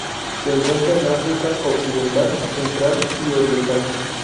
Se encuentra en África occidental, central y Oriental.